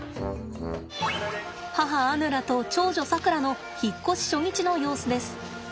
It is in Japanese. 母アヌラと長女さくらの引っ越し初日の様子です。